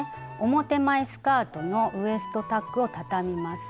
表前スカートのウエストタックをたたみます。